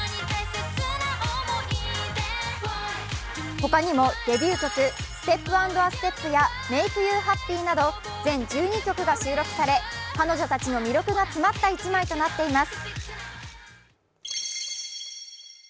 他にもデビュー曲、「Ｓｔｅｐａｎｄａｓｔｅｐ」や「Ｍａｋｅｙｏｕｈａｐｐｙ」など全１２曲が収録され彼女たちの魅力が詰まった一枚となっています。